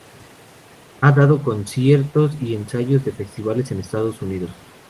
Ha dado conciertos y ensayos de festivales en Estados Unidos.